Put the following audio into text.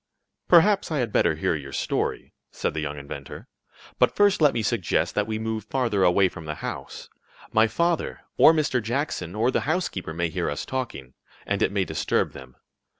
"Perhaps I had better hear your story," said the young inventor. "But first let me suggest that we move farther away from the house. My father, or Mr. Jackson, or the housekeeper, may hear us talking, and it may disturb them.